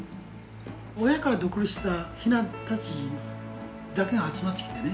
親から独立したヒナたちだけが集まってきてね